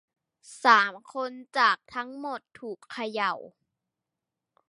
สามคนจากทั้งหมดถูกเขย่า